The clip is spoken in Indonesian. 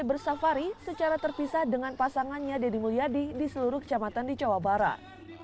bisa dengan pasangannya dedy mulyadi di seluruh kecamatan di jawa barat